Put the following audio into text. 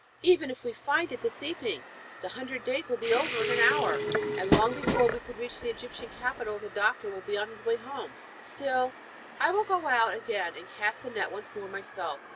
'Even if we find it this evening, the hundred days will be over in an hour, and long before we could reach the Egyptian capital the doctor will be on his way home. Still, I will go out again, and cast the net once more myself.'